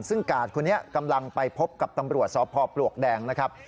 ซึ่งกาดคนนี้กำลังไปพบกับตำรวจสพปลวกแดงนะครับ